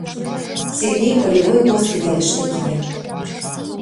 Сергей полевой госпитальыште кия.